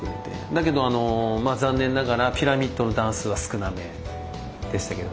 だけど残念ながらピラミッドの段数は少なめでしたけどもね。